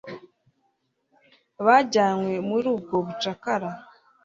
bajyanywe muri ubwo bucakara.